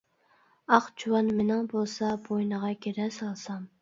ئاق جۇۋان مېنىڭ بولسا، بوينىغا گىرە سالسام.